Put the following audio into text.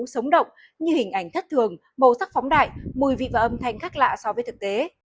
sống động như hình ảnh thất thường màu sắc phóng đại mùi vị và âm thanh khác lạ so với thực tế